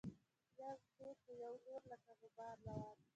يم دې په يو لور لکه غبار روان